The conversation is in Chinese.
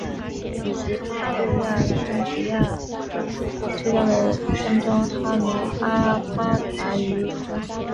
以及巴布亚新几内亚最大的村庄哈努阿巴达渔村。